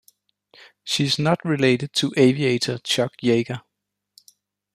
She is not related to aviator Chuck Yeager.